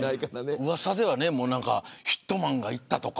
うわさではヒットマンが行ったとか。